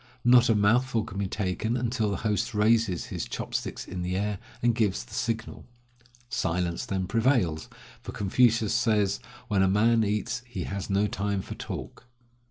Not a mouthful can be taken until the host raises his chop sticks in the air, and gives the signal. Silence then prevails; for Confucius says: "When a man eats he has no time for talk."